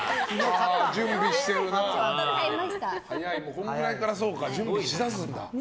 このぐらいから準備しだすんだ。